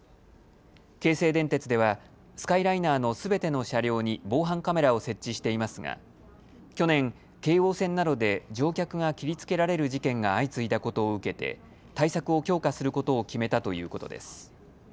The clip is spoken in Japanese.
京成電鉄ではスカイライナーのすべての車両に防犯カメラを設置していますが去年、京王線などで乗客が切りつけられる事件が相次いだことを受けて対策を強化することを決めたということです。